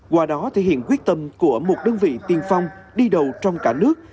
qua đó thể hiện quyết tâm của một đơn vị tiên phong đi đầu trong cả nước